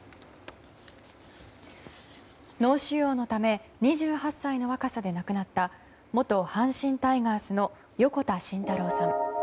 脳腫瘍のため２８歳の若さで亡くなった元阪神タイガースの横田慎太郎さん。